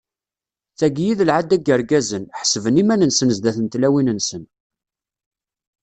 D tagi i d lɛada n yirgazen, ḥessben iman-nsen sdat n tlawin-nsen.